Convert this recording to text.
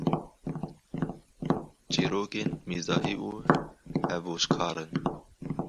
Çîrokên mîzahî û hevojkar in.